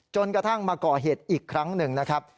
จนกระทั่งมาก่อเหตุอีกครั้งหนึ่งนะครับ